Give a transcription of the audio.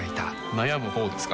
悩むほうですか？